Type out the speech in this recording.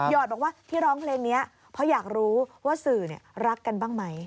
อดบอกว่าที่ร้องเพลงนี้เพราะอยากรู้ว่าสื่อรักกันบ้างไหม